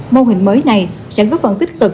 mô hình mới này sẽ có phần tích cực